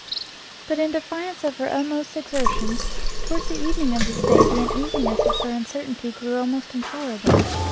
But, in defiance of her utmost exertion, towards the evening of this day the uneasiness of her uncertainty grew almost intolerable.